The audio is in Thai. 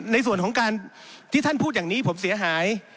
ในส่วนของการที่ท่านพูดอย่างนี้ผมเสียหาย